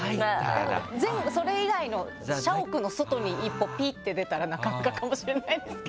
それ以外の社屋の外に一歩ピッ！って出たらなかなかかもしれないですけど。